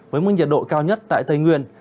với mức nhiệt độ cao nhất tại tây nguyên